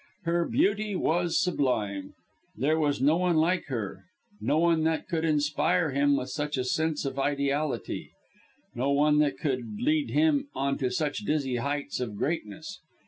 Her beauty was sublime. There was no one like her, no one that could inspire him with such a sense of ideality, no one that could lead him on to such dizzy heights of greatness.